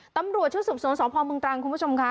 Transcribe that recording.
ตำรวจชื่อสมสงสองพบึงตรังคุณผู้ชมค่ะ